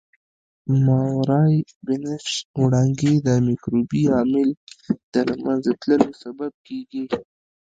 ماورای بنفش وړانګې د مکروبي عامل د له منځه تلو سبب کیږي.